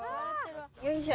よいしょ。